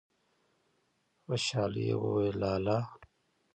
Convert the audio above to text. خوشالی يې وويل: لا لا!